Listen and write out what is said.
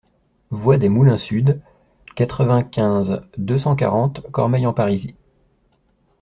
Voie des Moulins Sud, quatre-vingt-quinze, deux cent quarante Cormeilles-en-Parisis